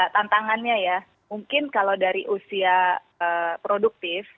tantangannya ya mungkin kalau dari usia produktif